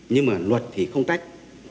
nhưng mà luật thì không tách